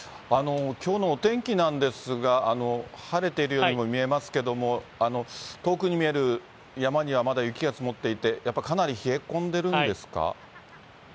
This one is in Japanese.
きょうのお天気なんですが、晴れているようにも見えますけれども、遠くに見える山には、まだ雪が積もっていて、やっぱりかなり冷え込んでいるんですか？